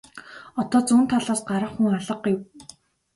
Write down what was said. Одоо зүүн талаас гарах хүн алга гэв.